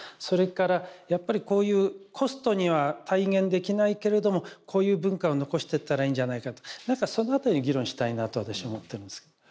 それからやっぱりこういうコストには体現できないけれどもこういう文化を残してったらいいんじゃないかとなんかそのあたりを議論したいなと私は思ってるんです。